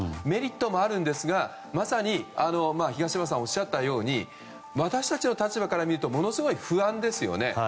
メリットもあるんですがまさに東山さんがおっしゃったように私たちの立場から見るとものすごい不安ですよね。